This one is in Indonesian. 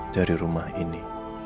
dari rumah ini